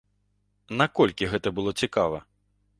Наколькі гэта было цікава?